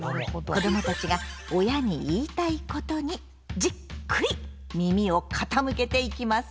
子どもたちが親に言いたいことにじっくり耳を傾けていきますよ。